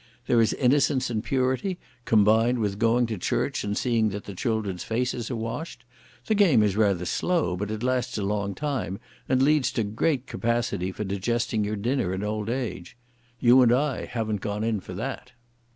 There is innocence and purity, combined with going to church and seeing that the children's faces are washed. The game is rather slow, but it lasts a long time, and leads to great capacity for digesting your dinner in old age. You and I haven't gone in for that."